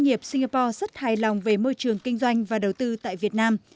nhiệp singapore rất hài lòng về môi trường kinh doanh và đầu tư tại việt nam